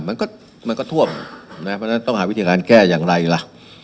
ก็มันก็ท่วมต้องหาวิธีการแก้อย่างไรล่ะ